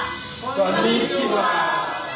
こんにちは！